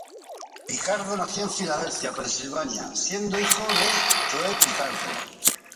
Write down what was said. Picardo nació en Filadelfia, Pensilvania, siendo hijo de Joe Picardo.